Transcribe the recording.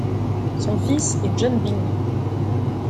Son fils est John Byng.